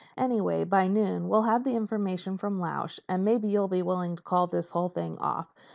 "Anyway, by noon we'll have the information from Lausch and maybe you'll be willing to call this whole thing off.